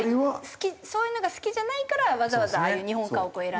そういうのが好きじゃないからわざわざああいう日本家屋を選んでる。